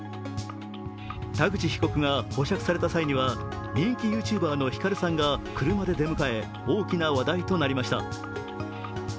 田口被告が保釈された際には人気ＹｏｕＴｕｂｅｒのヒカルさんが車で出迎え、大きな話題となりました。